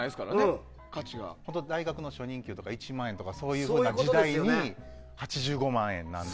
大学の初任給が１万円とかいう時代に８５万円なので。